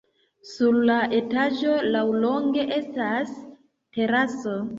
Sur la etaĝo laŭlonge estas teraso.